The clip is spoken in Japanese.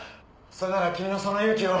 それなら君のその勇気を。